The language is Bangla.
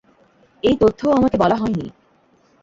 এই তথ্যও আমাকে বলা হয় নি।